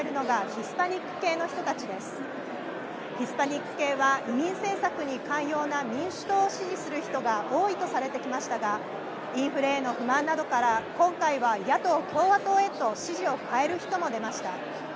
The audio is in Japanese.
ヒスパニック系は移民政策に寛容な民主党を支持する人が多いとされてきましたが、インフレへの不満などから今回は野党・共和党へと支持を変える人も出ました。